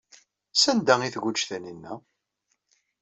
Sanda ay tguǧǧ Taninna?